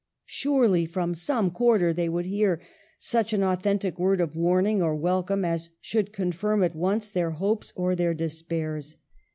Surely from some quarter they would hear such an authentic word of warning or welcome as should confirm at once their hopes or their despairs.